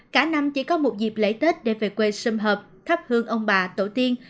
cả năm chỉ có một dịp lễ tết để về quê xung hợp thắp hương ông bà tổ tiên